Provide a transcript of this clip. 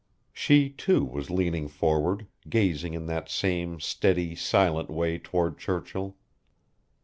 She, too, was leaning forward, gazing in that same steady, silent way toward Churchill.